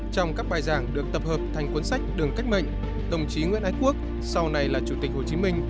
trong các bài giảng được tập hợp thành cuốn sách đường cách mệnh đồng chí nguyễn ái quốc sau này là chủ tịch hồ chí minh